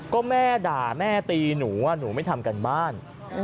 ก็แม่ด่าแม่ตีหนูว่าหนูไม่ทำการบ้าน